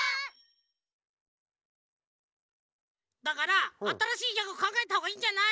だからあたらしいギャグかんがえたほうがいいんじゃない？